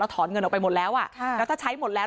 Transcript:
แล้วถอนเงินออกไปหมดแล้วแล้วถ้าใช้หมดแล้ว